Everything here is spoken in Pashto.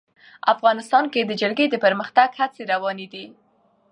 افغانستان کې د جلګه د پرمختګ هڅې روانې دي.